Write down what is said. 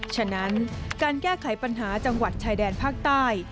ฉะนั้นการแก้ไขปัญหาจังหวัดชายแดนภาคใต้